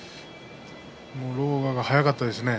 狼雅が速かったですね